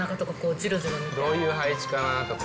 どういう配置かな？とか。